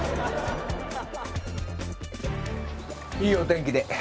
いいお天気で。